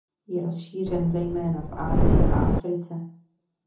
Je rozšířen zejména v Asii a Africe.